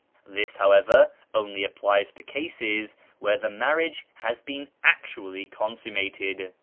This, however, only applies to cases where the marriage has been actually consummated.